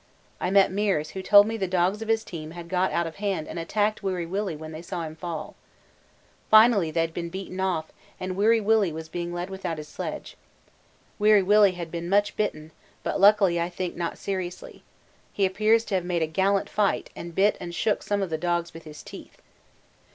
I met Meares, who told me the dogs of his team had got out of hand and attacked Weary Willy when they saw him fall. Finally they had been beaten off and W.W. was being led without his sledge. W.W. had been much bitten, but luckily I think not seriously: he appears to have made a gallant fight, and bit and shook some of the dogs with his teeth.